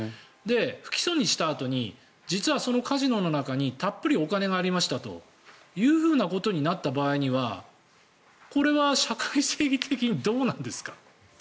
不起訴にしたあとに実はそのカジノの中にたっぷりお金がありましたということになった場合にはこれは社会正義的にどうなんですか？